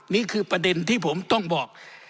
นี่คือประเด็นที่ผมต้องบอก